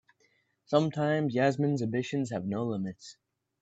Sometimes Yasmin's ambitions have no limits.